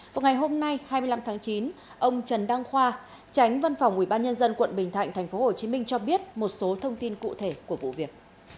vào ngày hôm nay hai mươi năm tháng chín ông trần đăng khoa tránh văn phòng ủy ban nhân dân quận bình thạnh tp hcm cho biết một số thông tin cụ thể của vụ việc